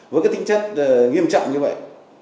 với tính chất nghiêm trọng như vậy